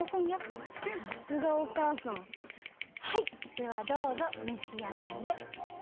ではどうぞ召し上がれ。